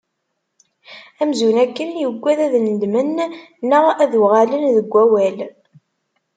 Amzun akken yuggad ad nedmen, neɣ ad uɣalen deg wawal.